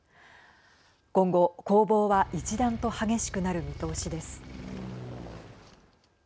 今後、攻防は一段と激しくなる見通しです。